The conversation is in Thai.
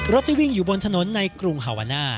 ที่วิ่งอยู่บนถนนในกรุงฮาวาน่า